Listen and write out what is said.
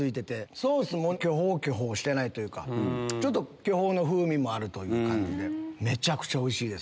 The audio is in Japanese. ソースも巨峰巨峰してないというかちょっと巨峰の風味もある感じでめちゃくちゃおいしいです。